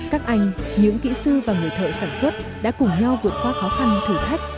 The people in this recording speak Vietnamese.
các anh những kỹ sư và người thợ sản xuất đã cùng nhau vượt qua khó khăn thử thách